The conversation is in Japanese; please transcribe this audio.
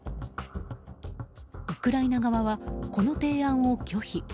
ウクライナ側はこの提案を拒否。